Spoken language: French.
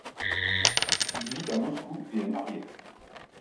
Il vit à Moscou et est marié.